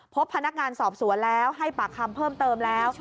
พบพนักงานสอบสวนแล้วให้ปากคำเพิ่มเติมแล้ว